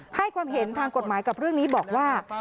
ให้ความเห็นทางกฎหมายกับเรื่องนี้บอกว่า